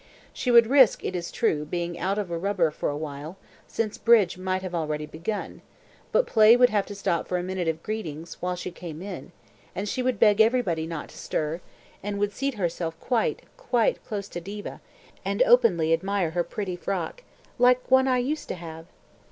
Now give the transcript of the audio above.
She would risk, it is true, being out of a rubber for a little, since bridge might have already begun, but play would have to stop for a minute of greetings when she came in, and she would beg everybody not to stir; and would seat herself quite, quite close to Diva, and openly admire her pretty frock, "like one I used to have